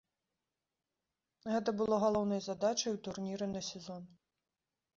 Гэта было галоўнай задачай у турніры на сезон.